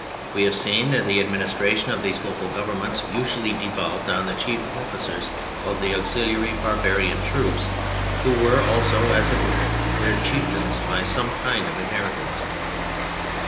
We have seen that the administration of these local governments usually devolved on the chief officers of the auxiliary barbarian troops, who were also, as a rule, their chieftains by some kind of inheritance.